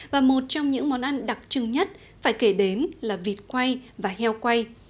và một trong những món ăn đặc trưng nhất phải kể đến là vịt quay và heo quay